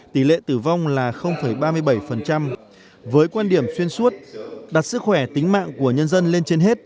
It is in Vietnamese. tỷ lệ tử vong là ba mươi bảy với quan điểm xuyên suốt đặt sức khỏe tính mạng của nhân dân lên trên hết